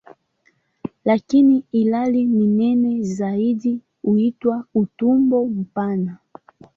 Lakini ilhali ni nene zaidi huitwa "utumbo mpana".